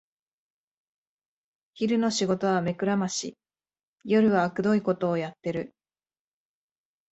昼の仕事は目くらまし、夜はあくどいことをやってる